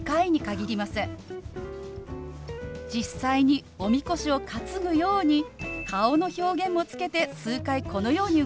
実際におみこしを担ぐように顔の表現もつけて数回このように動かします。